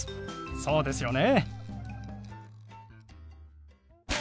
そうですよね。